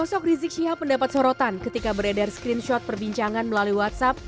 sosok rizik syihab mendapat sorotan ketika beredar screenshot perbincangan melalui whatsapp